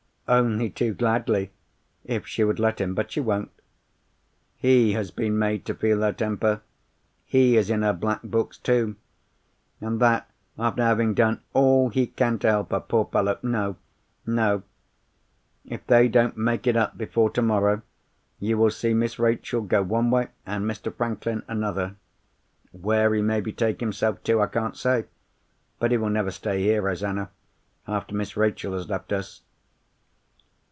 "'Only too gladly, if she would let him; but she won't. He has been made to feel her temper; he is in her black books too—and that after having done all he can to help her, poor fellow! No! no! If they don't make it up before tomorrow, you will see Miss Rachel go one way, and Mr. Franklin another. Where he may betake himself to I can't say. But he will never stay here, Rosanna, after Miss Rachel has left us.